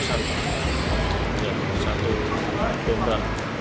jadi satu benda